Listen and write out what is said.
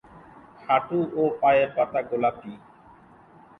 হাঁটু ও পায়ের পাতা গোলাপি।